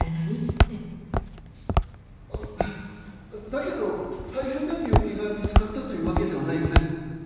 あっだけど大変な病気が見つかったというわけではないよね。